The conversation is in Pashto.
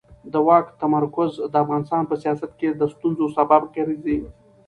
د واک تمرکز د افغانستان په سیاست کې د ستونزو سبب ګرځي